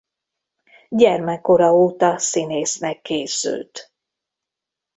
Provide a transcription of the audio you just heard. Gyermekkora óta színésznek készült.